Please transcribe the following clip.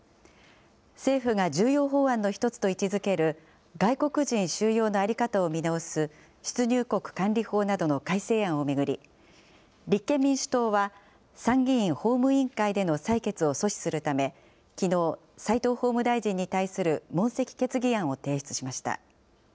政府が重要法案の一つと位置づける外国人収容の在り方を見直す出入国管理法などの改正案を巡り、立憲民主党は参議院法務委員会での採決を阻止するため、きのう、齋藤法務大臣に対する問責決議案を提出しました。